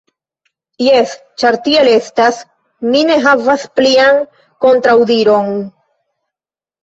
Jes, ĉar tiel estas, mi ne havas plian kontraŭdiron.